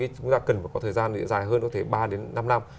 chúng ta cần phải có thời gian dài hơn có thể ba đến năm năm